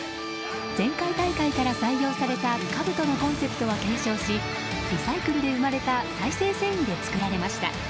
前回大会から採用されたかぶとのコンセプトは継承しリサイクルで生まれた再生繊維で作られました。